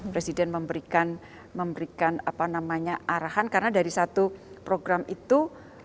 presiden memberikan arahan karena dari satu program itu